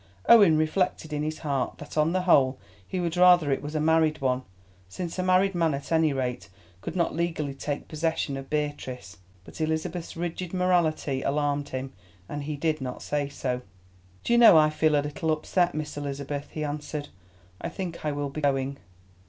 Owen reflected in his heart that on the whole he would rather it was a married one, since a married man, at any rate, could not legally take possession of Beatrice. But Elizabeth's rigid morality alarmed him, and he did not say so. "Do you know I feel a little upset, Miss Elizabeth," he answered. "I think I will be going.